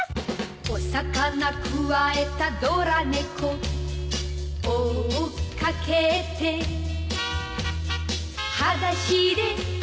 「お魚くわえたドラ猫」「追っかけて」「はだしでかけてく」